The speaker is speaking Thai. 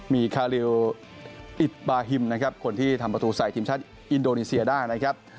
มีคาริวอิทบาฮิมคนที่ทำประตูใส่ทีมชาติอินโดนีเซียได้